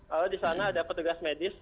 lalu disana ada petugas medis